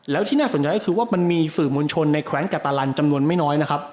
แล้วที่น่าสนใจก็คือว่ามันมีสื่อมวลชนในแขวนกาตาลันจำนวนไม่น้อยนะครับ